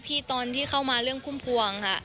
ตอนที่เข้ามาเรื่องพุ่มพวงค่ะ